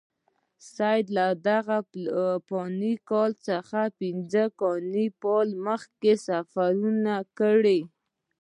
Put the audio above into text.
سید له دغه فلاني کال څخه پنځه فلاني کاله مخکې سفرونه کړي.